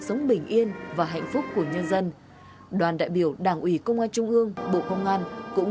sống bình yên và hạnh phúc của nhân dân đoàn đại biểu đảng ủy công an trung ương bộ công an cũng